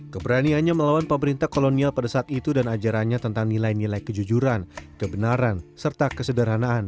keberaniannya melawan pemerintah kolonial pada saat itu dan ajarannya tentang nilai nilai kejujuran kebenaran serta kesederhanaan